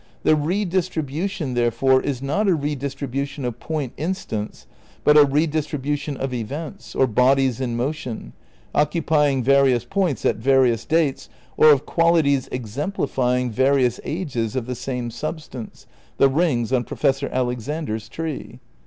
The redistribu tion, therefore, is not a redistribution of point instants, but a redistribution of events, or bodies in motion, occupying various points at various dates, or of qual ities exemplifying various ages of the same substance (the rings on Professor Alexander's tree).